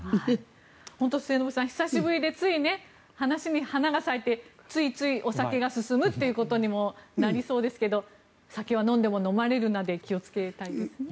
末延さん、久しぶりでつい話に花が咲いてついついお酒が進むっていうことにもなりそうですけど酒は飲んでも飲まれるなで気をつけたいですね。